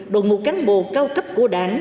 đồng hồ cán bộ cao cấp của đảng